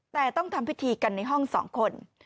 แต่ต้องทำพิธีกันในห้อง๒คน